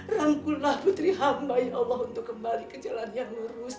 rangkullah putri hamba ya allah untuk kembali ke jalan yang lurus